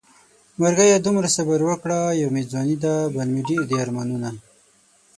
مرګيه دومره صبر وکړه يو مې ځواني ده بل مې ډېر دي ارمانونه